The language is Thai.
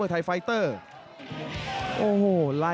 เสริมหักทิ้งลงไปครับรอบเย็นมากครับ